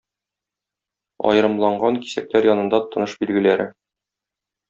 Аерымланган кисәкләр янында тыныш билгеләре